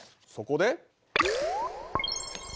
そこで。